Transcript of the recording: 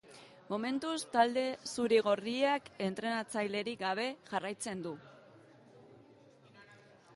Momentuz, talde zuri-gorriak entrenatzailerik gabe jarraitzen du.